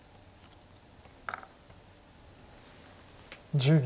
１０秒。